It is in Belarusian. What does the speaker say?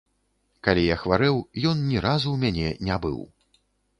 Калі я хварэў, ён ні разу ў мяне не быў.